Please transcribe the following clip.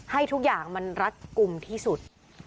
ให้ทุกอย่างมันรัดกลุ่มที่สุด